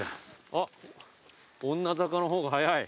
あっ女坂の方が早い。